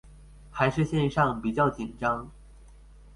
還是線上比較緊張